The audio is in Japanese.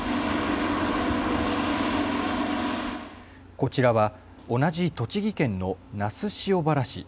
こちらは同じ栃木県の那須塩原市。